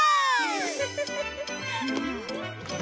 フフフッ。